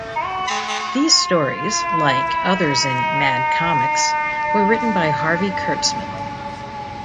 These stories, like others in "Mad" comics, were written by Harvey Kurtzman.